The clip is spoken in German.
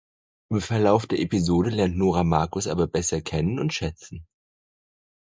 Im Verlauf der Episode lernt Nora Markus aber besser kennen und schätzen.